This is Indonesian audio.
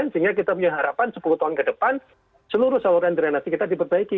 sehingga kita punya harapan sepuluh tahun ke depan seluruh saluran drenasi kita diperbaiki